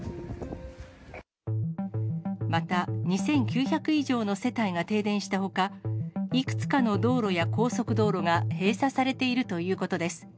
また２９００以上の世帯が停電したほか、いくつかの道路や高速道路が閉鎖されているということです。